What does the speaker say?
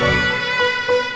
ya udah mbak